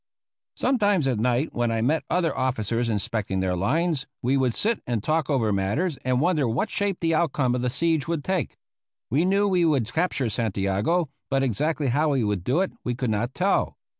Sometimes at night, when I met other officers inspecting their lines, we would sit and talk over matters, and wonder what shape the outcome of the siege would take. We knew we would capture Santiago, but exactly how we would do it we could not tell.